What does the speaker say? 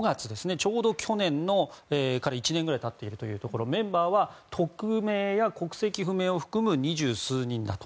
ちょうど去年１年ぐらい経っているメンバーは匿名や国籍不明を含む二十数人だと。